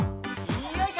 よいしょ。